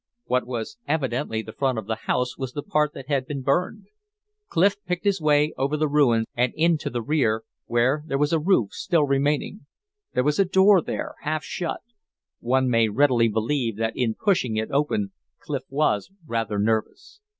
What was evidently the front of the house was the part that had been burned. Clif picked his way over the ruins and into the rear, where there was a roof still remaining. There was a door there, half shut; one may readily believe that in pushing it open Clif was rather nervous.